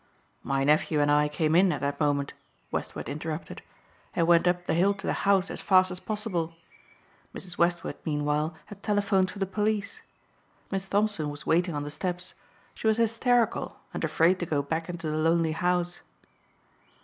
"My nephew and I came in at that moment," Westward interrupted, "and went up the hill to the house as fast as possible. Mrs. Westward meanwhile had telephoned for the police. Miss Thompson was waiting on the steps. She was hysterical and afraid to go back into the lonely house."